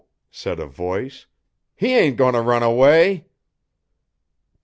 said a voice. "He ain't goin' to run away!"